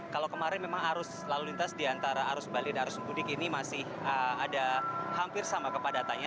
kalau kemarin memang arus lalu lintas di antara arus balik dan arus mudik ini masih ada hampir sama kepadatannya